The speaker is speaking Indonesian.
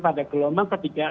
pada gelombang ketiga